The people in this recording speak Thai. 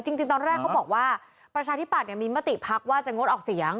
จริงตอนแรกเขาบอกว่าประชาธิปัตย์มีมติพักว่าจะงดออกเสียง